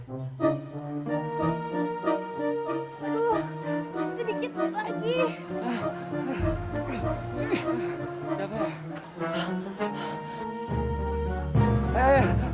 aduh sedikit lagi